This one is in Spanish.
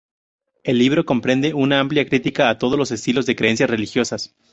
El libro comprende una amplia crítica a todos los estilos de creencias religiosas.